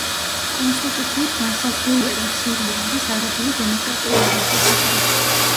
კონსტიტუციით განსაზღვრულია, რომ სირია არის არაბული დემოკრატიული რესპუბლიკა.